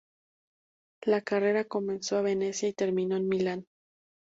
La carrera comenzó en Venecia y terminó en Milán.